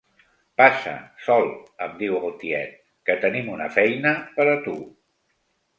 Passa, Sol —em diu el tiet—, que tenim una feina per a tu.